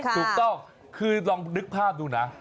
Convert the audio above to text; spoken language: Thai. ถูกต้องคือลองนึกภาพดูนะ